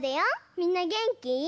みんなげんき？